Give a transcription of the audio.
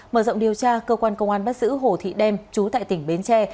mở rộng điều tra cơ quan công an bắt giữ hồ thị đem chú tại tỉnh bến tre